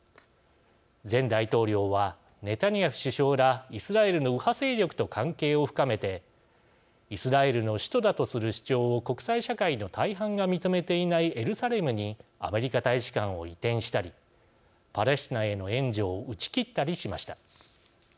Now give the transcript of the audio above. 前大統領は、ネタニヤフ首相らイスラエルの右派勢力と関係を深めてイスラエルの首都だとする主張を国際社会の大半が認めていないエルサレムにアメリカ大使館を移転したりパレスチナへの援助を打ち切ったりしました。